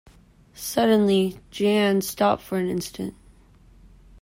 Suddenly Jeanne stopped for an instant.